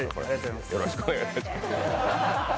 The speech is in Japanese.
よろしくお願いします。